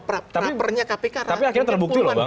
praprnya kpk tapi akhirnya terbukti loh bang